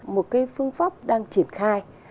một cái phương pháp đang triển khai